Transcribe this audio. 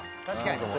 確かに。